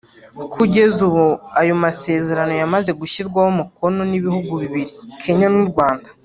kugeza ubu ayo masezerano yamaze gushyirwaho umukono n’ibihugu bibiri; Kenya n’u Rwanda